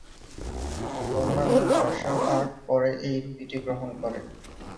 অন্যান্য martial art পরে এই রীতিটি গ্রহণ করে।